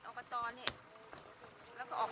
อืม